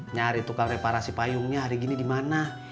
nari tukang reparasi payungnya hari gini dimana